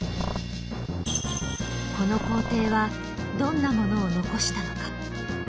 この皇帝はどんなものを残したのか。